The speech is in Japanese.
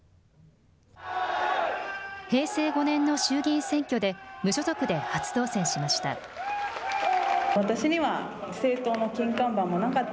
平成５年の衆議院選挙で無所属で初当選しました。